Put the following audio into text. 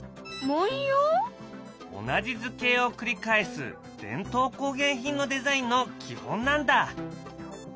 同じ図形を繰り返す伝統工芸品のデザインの基本なんだ。